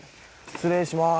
失礼します。